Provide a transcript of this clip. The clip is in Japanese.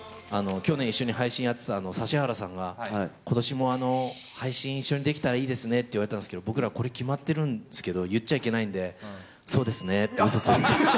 去年一緒に配信やってた指原さんが、ことしも配信一緒にできたらいいですねって言われたんですけど、僕ら、これ決まってるんですけど、言っちゃいけないんで、そうですねって、うそついて。